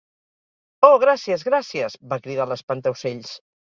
Oh gràcies... gràcies!, va cridar l'espantaocells.